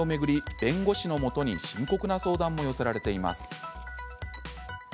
弁護士のもとに深刻な相談も寄せられています。